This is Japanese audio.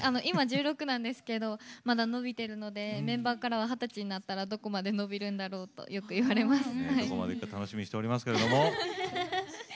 今１６なんですけどまだ伸びてるのでメンバーからは二十歳になったらどこまで伸びるんだろうとよく言われます。